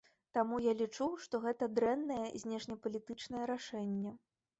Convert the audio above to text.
Таму я лічу, што гэта дрэннае знешнепалітычнае рашэнне.